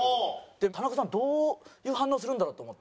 で田中さんどういう反応するんだろう？と思って。